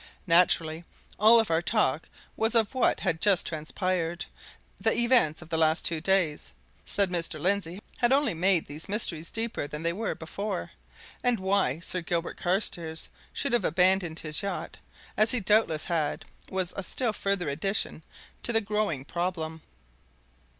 Naturally, all our talk was of what had just transpired the events of the last two days, said Mr. Lindsey, only made these mysteries deeper than they were before, and why Sir Gilbert Carstairs should have abandoned his yacht, as he doubtless had, was a still further addition to the growing problem.